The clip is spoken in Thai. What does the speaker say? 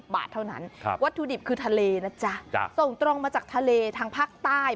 บาทเท่านั้นวัตถุดิบคือทะเลนะจ๊ะส่งตรงมาจากทะเลทางภาคใต้